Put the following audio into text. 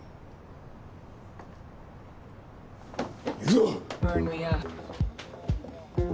行くぞ！